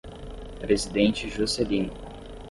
Presidente Juscelino